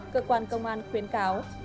cơ quan công an khuyến cáo